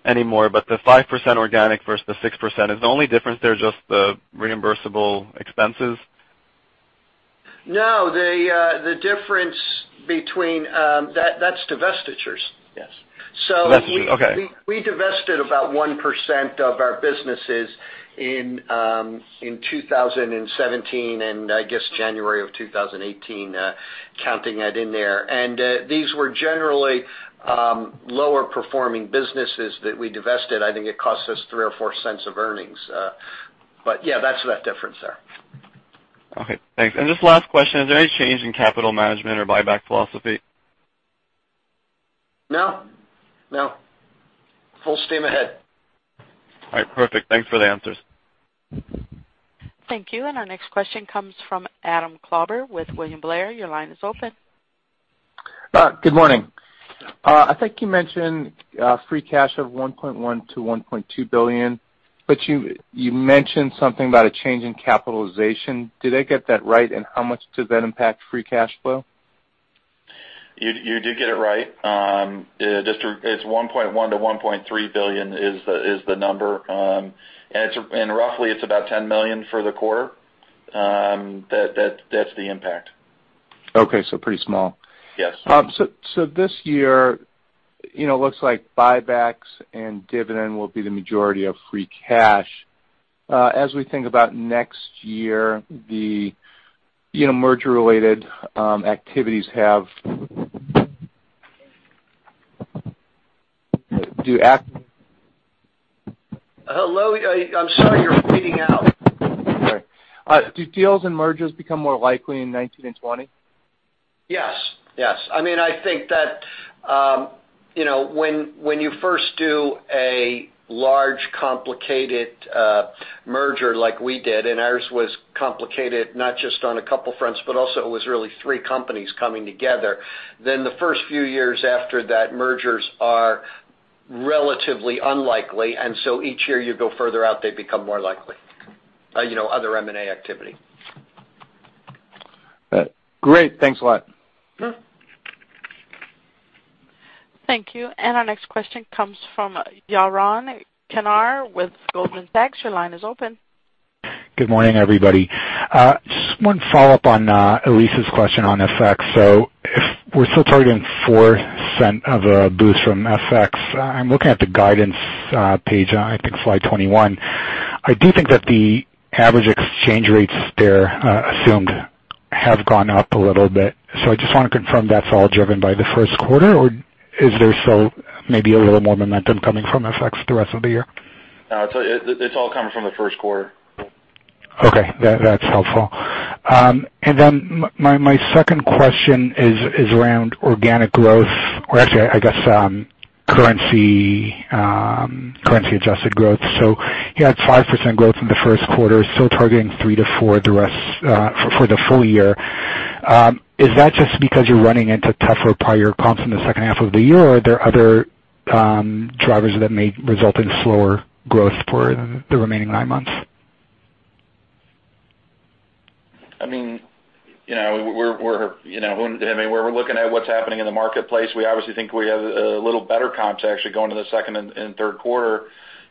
anymore, the 5% organic versus the 6%, is the only difference there just the reimbursable expenses? No, the difference. That's divestitures. Yes. Divestitures. Okay. We divested about 1% of our businesses in 2017 and I guess January of 2018, counting that in there. These were generally lower performing businesses that we divested. I think it cost us $0.03-$0.04 of earnings. Yeah, that's that difference there. Okay, thanks. Just the last question, is there any change in capital management or buyback philosophy? No. Full steam ahead. All right. Perfect. Thanks for the answers. Thank you. Our next question comes from Adam Klauber with William Blair. Your line is open. Good morning. I think you mentioned free cash of $1.1 billion-$1.2 billion, but you mentioned something about a change in capitalization. Did I get that right, and how much does that impact free cash flow? You did get it right. It's $1.1 billion-$1.3 billion is the number. Roughly, it's about $10 million for the quarter. That's the impact. Okay, pretty small. Yes. This year, looks like buybacks and dividend will be the majority of free cash. As we think about next year, the merger-related activities have. Hello? I'm sorry, you're breaking up. Sorry. Do deals and mergers become more likely in 2019 and 2020? Yes. I think that when you first do a large, complicated merger like we did, ours was complicated not just on a couple of fronts, but also it was really three companies coming together. The first few years after that, mergers are relatively unlikely. Each year you go further out, they become more likely. Other M&A activity. Great. Thanks a lot. Thank you. Our next question comes from Yaron Kinar with Goldman Sachs. Your line is open. Good morning, everybody. Just one follow-up on Elyse's question on FX. If we're still targeting $0.04 of a boost from FX, I'm looking at the guidance page on, I think, slide 21. I do think that the average exchange rates there assumed have gone up a little bit. I just want to confirm that's all driven by the first quarter, or is there still maybe a little more momentum coming from FX the rest of the year? No, it's all coming from the first quarter. Okay. That's helpful. My second question is around organic growth, or actually, I guess currency-adjusted growth. You had 5% growth in the first quarter, still targeting 3%-4% for the full year. Is that just because you're running into tougher prior comps in the second half of the year? Or are there other drivers that may result in slower growth for the remaining nine months? We're looking at what's happening in the marketplace. We obviously think we have a little better comps actually going to the second and third quarter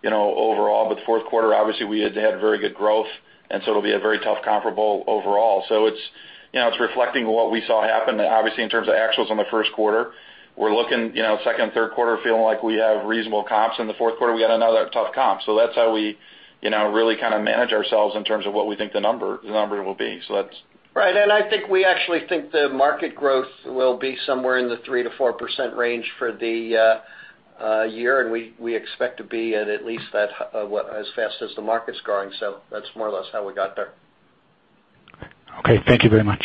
overall, fourth quarter, obviously, we had to have very good growth, it'll be a very tough comparable overall. It's reflecting what we saw happen, obviously, in terms of actuals on the first quarter. We're looking, second and third quarter, feeling like we have reasonable comps. In the fourth quarter, we got another tough comp. That's how we really manage ourselves in terms of what we think the number will be. Right. I think we actually think the market growth will be somewhere in the 3% to 4% range for the year, and we expect to be at at least that, as fast as the market's growing. That's more or less how we got there. Okay, thank you very much.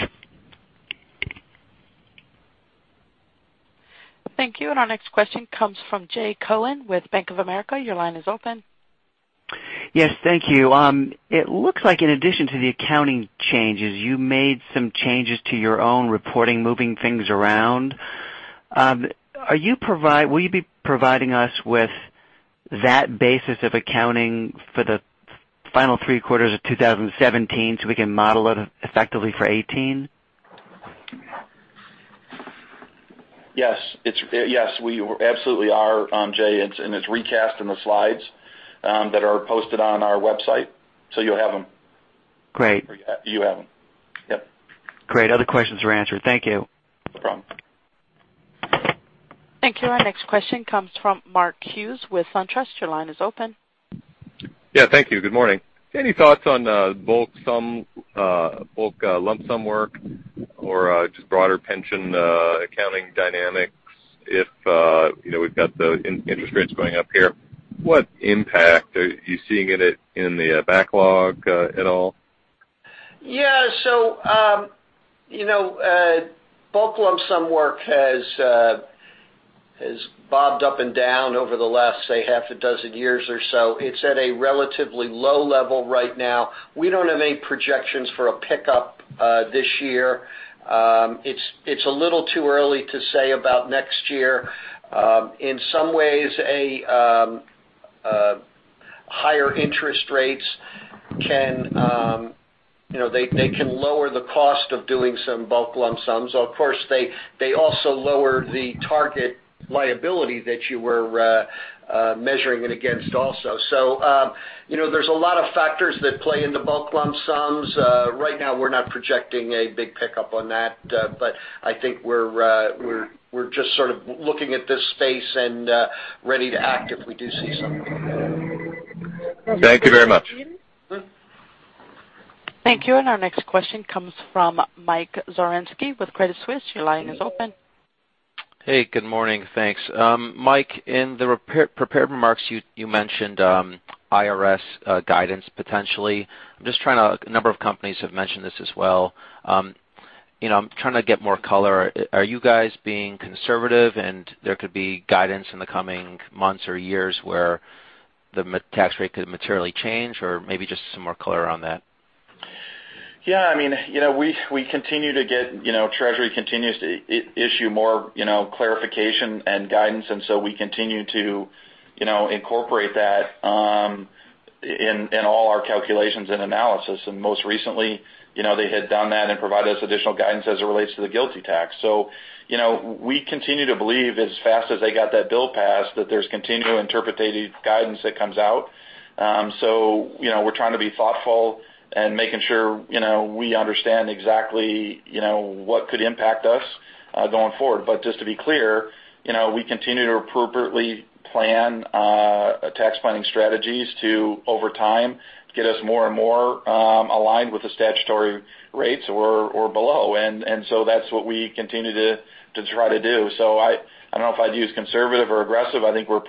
Thank you. Our next question comes from Jay Cohen with Bank of America. Your line is open. Yes, thank you. It looks like in addition to the accounting changes, you made some changes to your own reporting, moving things around. Will you be providing us with that basis of accounting for the final three quarters of 2017 so we can model it effectively for 2018? Yes. We absolutely are, Jay, and it's recast in the slides that are posted on our website, so you'll have them. Great. You have them. Yep. Great. Other questions are answered. Thank you. No problem. Thank you. Our next question comes from Mark Hughes with SunTrust. Your line is open. Yeah, thank you. Good morning. Any thoughts on bulk lump sum work or just broader pension accounting dynamics? We've got the interest rates going up here. What impact are you seeing in the backlog at all? Yeah. Bulk lump sum work has bobbed up and down over the last, say, half a dozen years or so. It's at a relatively low level right now. We don't have any projections for a pickup this year. It's a little too early to say about next year. In some ways, higher interest rates can lower the cost of doing some bulk lump sums. Of course, they also lower the target liability that you were measuring it against also. There's a lot of factors that play into bulk lump sums. Right now, we're not projecting a big pickup on that, I think we're just sort of looking at this space and ready to act if we do see something. Thank you very much. Thank you. Our next question comes from Michael Zaremski with Credit Suisse. Your line is open. Hey, good morning. Thanks. Mike, in the prepared remarks, you mentioned IRS guidance, potentially. A number of companies have mentioned this as well. I'm trying to get more color. Are you guys being conservative and there could be guidance in the coming months or years where the tax rate could materially change? Maybe just some more color on that. Yeah, treasury continues to issue more clarification and guidance. We continue to incorporate that in all our calculations and analysis. Most recently, they had done that and provided us additional guidance as it relates to the GILTI tax. We continue to believe as fast as they got that bill passed, that there's continual interpretative guidance that comes out. We're trying to be thoughtful and making sure we understand exactly what could impact us going forward. Just to be clear, we continue to appropriately plan tax planning strategies to, over time, get us more and more aligned with the statutory rates or below. That's what we continue to try to do. I don't know if I'd use conservative or aggressive. I think we're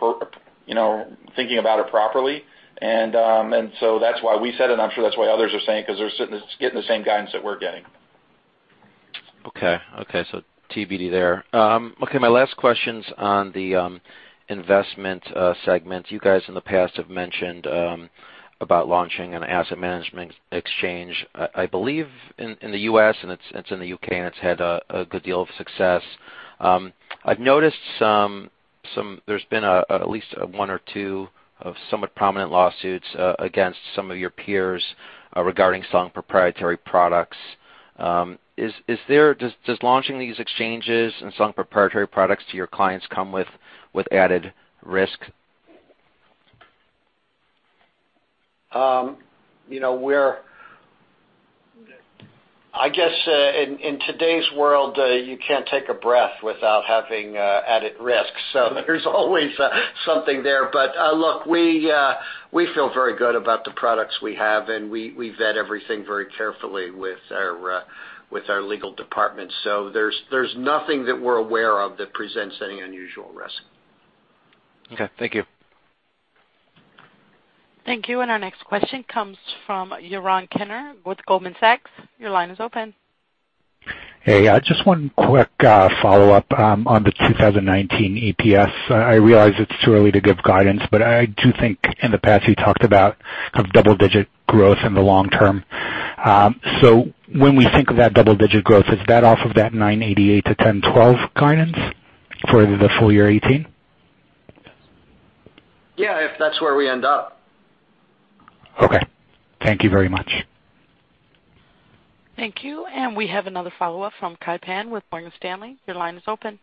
thinking about it properly. That's why we said it, and I'm sure that's why others are saying, because they're getting the same guidance that we're getting. Okay. TBD there. Okay, my last question's on the investment segment. You guys in the past have mentioned about launching an asset management exchange, I believe in the U.S., and it's in the U.K., and it's had a good deal of success. I've noticed there's been at least one or two of somewhat prominent lawsuits against some of your peers regarding some proprietary products. Does launching these exchanges and some proprietary products to your clients come with added risk? I guess, in today's world, you can't take a breath without having added risk. There's always something there. Look, we feel very good about the products we have, and we vet everything very carefully with our legal department. There's nothing that we're aware of that presents any unusual risk. Okay, thank you. Thank you. Our next question comes from Yaron Kinar with Goldman Sachs. Your line is open. Hey, just one quick follow-up on the 2019 EPS. I realize it's too early to give guidance, but I do think in the past you talked about double-digit growth in the long term. When we think of that double-digit growth, is that off of that $9.88-$10.12 guidance for the full year 2018? Yeah, if that's where we end up. Okay. Thank you very much. Thank you. We have another follow-up from Kai Pan with Morgan Stanley. Your line is open.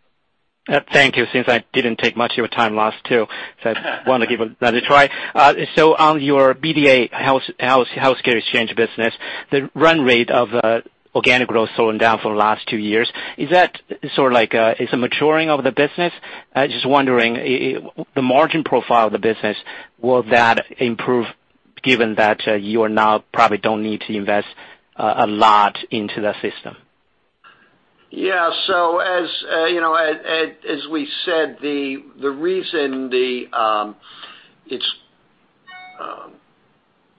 Thank you. Since I didn't take much of your time last too, I want to give another try. On your BDA healthcare exchange business, the run rate of organic growth has slowed down for the last two years. Is that sort of like a maturing of the business? Just wondering, the margin profile of the business, will that improve given that you now probably don't need to invest a lot into the system? Yeah. As we said, the reason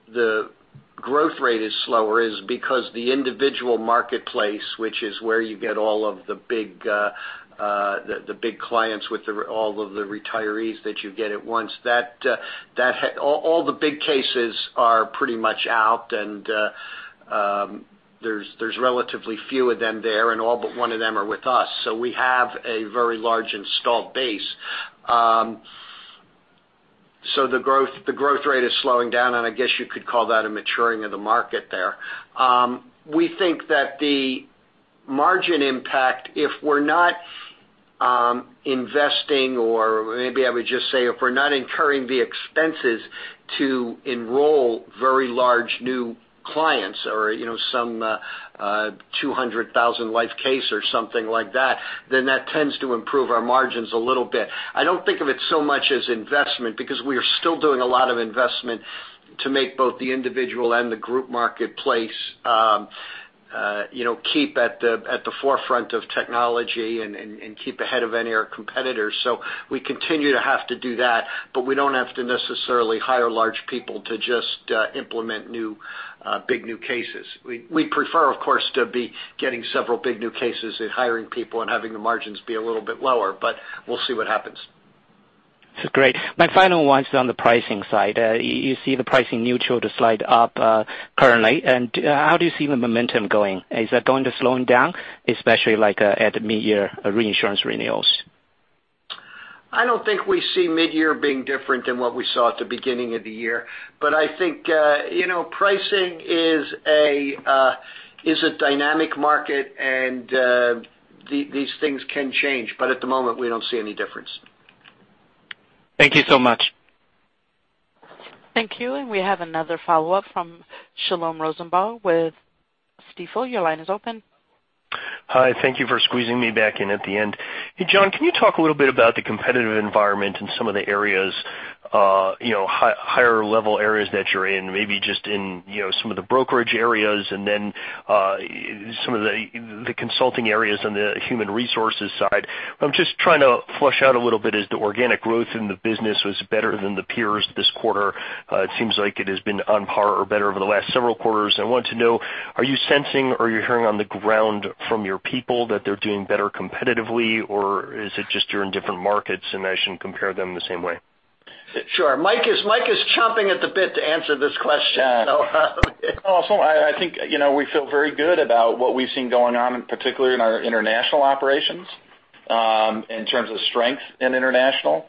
the growth rate is slower is because the individual marketplace, which is where you get all of the big clients with all of the retirees that you get at once, all the big cases are pretty much out, and there's relatively few of them there, and all but one of them are with us. We have a very large installed base. The growth rate is slowing down, and I guess you could call that a maturing of the market there. We think that the margin impact, if we're not investing, or maybe I would just say if we're not incurring the expenses to enroll very large new clients or some 200,000 life case or something like that, then that tends to improve our margins a little bit. I don't think of it so much as investment because we are still doing a lot of investment to make both the individual and the group marketplace keep at the forefront of technology and keep ahead of any of our competitors. We continue to have to do that, but we don't have to necessarily hire large people to just implement big new cases. We prefer, of course, to be getting several big new cases and hiring people and having the margins be a little bit lower, but we'll see what happens. Great. My final one is on the pricing side. You see the pricing neutral to slide up currently, how do you see the momentum going? Is that going to slow down, especially at the mid-year reinsurance renewals? I don't think we see mid-year being different than what we saw at the beginning of the year. I think pricing is a dynamic market, these things can change. At the moment, we don't see any difference. Thank you so much. Thank you. We have another follow-up from Shlomo Rosenbaum with Stifel. Your line is open. Hi. Thank you for squeezing me back in at the end. Hey, John, can you talk a little bit about the competitive environment in some of the higher-level areas that you're in, maybe just in some of the brokerage areas, then some of the consulting areas on the human resources side? I'm just trying to flush out a little bit as the organic growth in the business was better than the peers this quarter. It seems like it has been on par or better over the last several quarters. I want to know, are you sensing, are you hearing on the ground from your people that they're doing better competitively, or is it just you're in different markets, I shouldn't compare them the same way? Sure. Mike is chomping at the bit to answer this question. I think we feel very good about what we've seen going on, particularly in our international operations, in terms of strength in international.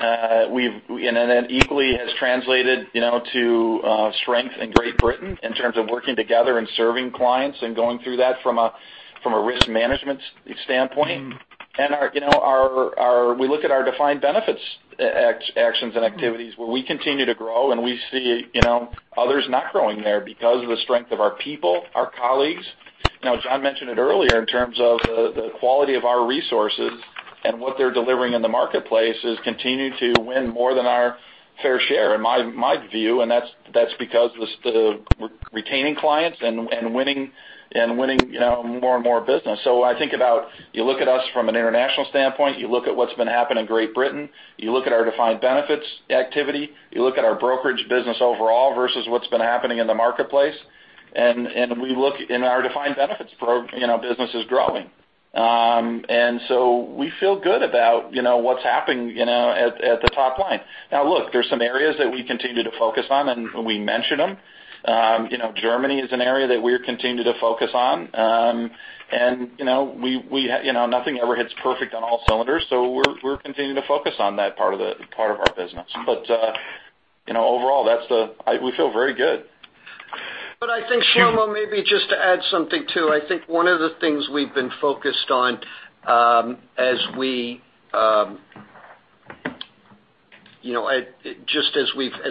That equally has translated to strength in Great Britain in terms of working together and serving clients and going through that from a risk management standpoint. We look at our defined benefits actions and activities where we continue to grow, we see others not growing there because of the strength of our people, our colleagues. John mentioned it earlier in terms of the quality of our resources and what they're delivering in the marketplace is continuing to win more than our fair share, in my view, that's because of the retaining clients and winning more and more business. I think about, you look at us from an international standpoint, you look at what's been happening in Great Britain, you look at our defined benefits activity, you look at our brokerage business overall versus what's been happening in the marketplace, our defined benefits business is growing. We feel good about what's happening at the top line. Look, there's some areas that we continue to focus on, and we mention them. Germany is an area that we're continuing to focus on. Nothing ever hits perfect on all cylinders, so we're continuing to focus on that part of our business. Overall, we feel very good. I think, Shlomo, maybe just to add something, too. I think one of the things we've been focused on just as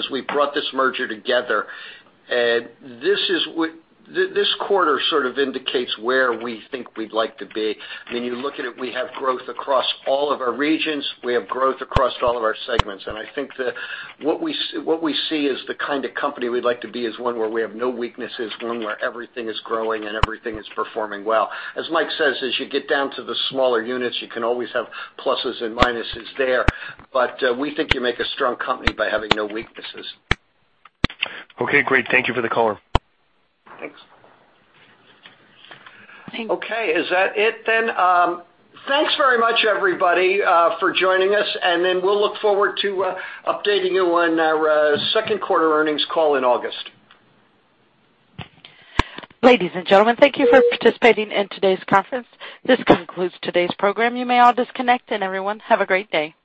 we've brought this merger together, this quarter sort of indicates where we think we'd like to be. When you look at it, we have growth across all of our regions. We have growth across all of our segments. I think that what we see as the kind of company we'd like to be is one where we have no weaknesses, one where everything is growing, and everything is performing well. As Mike says, as you get down to the smaller units, you can always have pluses and minuses there. We think you make a strong company by having no weaknesses. Okay, great. Thank you for the color. Thanks. Thank- Okay. Is that it then? Thanks very much, everybody, for joining us, we'll look forward to updating you on our second quarter earnings call in August. Ladies and gentlemen, thank you for participating in today's conference. This concludes today's program. You may all disconnect, and everyone, have a great day.